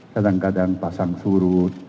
kadang kadang pasang surut